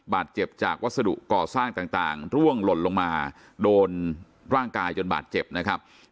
บาดเจ็บจากวัสดุก่อสร้างต่างร่วงหล่นลงมาโดนร่างกายจนบาดเจ็บนะครับ